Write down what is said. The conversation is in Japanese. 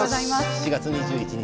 ７月２１日